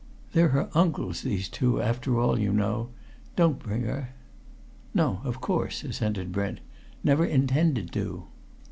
They're her uncles, these two, after all, you know. Don't bring her." "No; of course," assented Brent. "Never intended to."